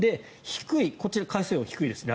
こっちの海水温、低いです。